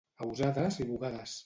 A usades i bugades.